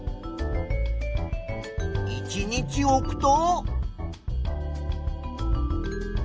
１日おくと。